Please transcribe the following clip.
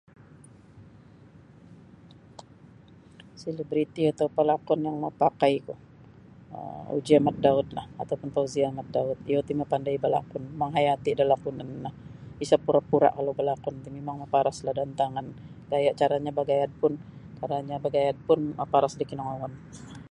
Selebriti atau palakun yang mapakai ku um Ogy Ahmad Daud lah ataupun Fauziah Ahmad Daud iyo ti mapandai balakun manghayati da lakunan lah isa pura-pura kalau balakun ti mimang maparaslah da antangan gaya caranya bagayad pun caranya bagayad pun maparas da kaningoun.